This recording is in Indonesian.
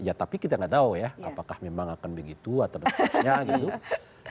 ya tapi kita nggak tahu ya apakah memang akan begitu atau seterusnya gitu